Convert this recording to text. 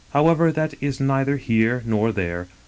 However, that is neither here nor there.